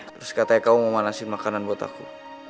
terus katanya kamu mau manasin makanan buat aku